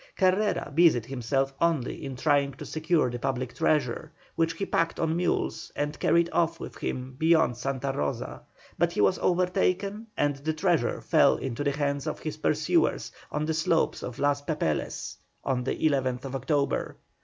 Carrera busied himself only in trying to secure the public treasure, which he packed on mules and carried off with him beyond Santa Rosa, but he was overtaken and the treasure fell into the hands of his pursuers on the slopes of Los Papeles on the 11th October.